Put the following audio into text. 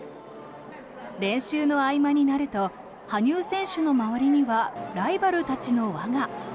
練習の合間になると羽生選手の周りにはライバルたちの輪が。